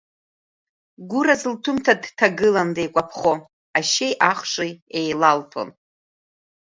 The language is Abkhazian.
Гәыраз лҭәымҭа дҭагылан деикәаԥхо, ашьеи-ахши еилалҭәон.